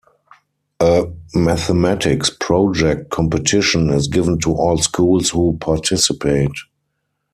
A Mathematics Project Competition is given to all schools who participate.